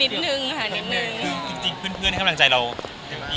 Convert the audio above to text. นิดนึงค่ะคือจริย์เพื่อนให้ทำให้รักกับใจเราเต็มที่